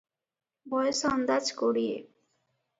ବୟସ ଅନ୍ଦାଜ କୋଡ଼ିଏ ।